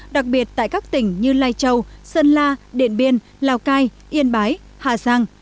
đặc biệt tại các tỉnh như lai châu sơn la điện biên lào cai yên bái hà giang